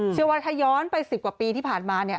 เฉียววัฒนาย้อนไปสิบกว่าปีที่ผ่านมา